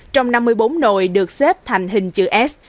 trong năm mươi bốn nồi được xếp thành hình chữ s